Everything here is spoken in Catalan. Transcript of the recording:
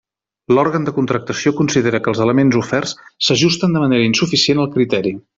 L'òrgan de contractació considera que els elements oferts s'ajusten de manera insuficient al criteri.